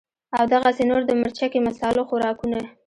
او دغسې نور د مرچکي مصالو خوراکونه